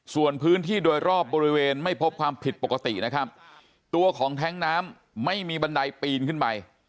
ส่วนพื้นที่โดยรอบบริเวณไม่พบความผิดปกตินะครับตัวของแท้งน้ำไม่มีบันไดปีนขึ้นไป